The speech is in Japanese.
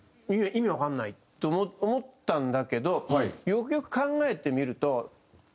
意味わかんないと思ったんだけどよくよく考えてみると。